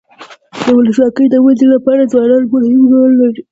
د ولسواکۍ د ودي لپاره ځوانان مهم رول لري.